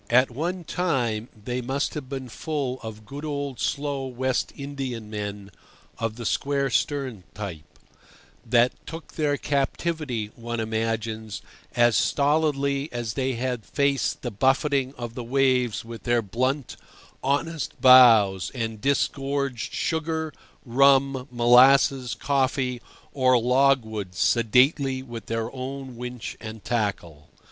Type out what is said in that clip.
At one time they must have been full of good old slow West Indiamen of the square stern type, that took their captivity, one imagines, as stolidly as they had faced the buffeting of the waves with their blunt, honest bows, and disgorged sugar, rum, molasses, coffee, or logwood sedately with their own winch and tackle.